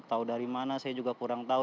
tahu dari mana saya juga kurang tahu